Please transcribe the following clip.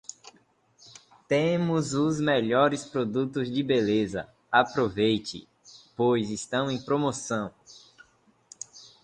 Temos os melhores produtos de beleza. Aproveite, pois estão em promoção.